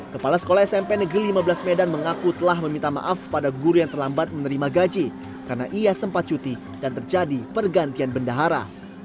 kepala sekolah smp negeri lima belas medan mengaku telah meminta maaf pada guru yang terlambat menerima gaji karena ia sempat cuti dan terjadi pergantian bendahara